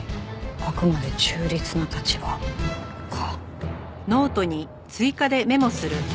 あくまで中立な立場」か。